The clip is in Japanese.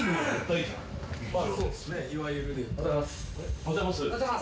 おはようございます。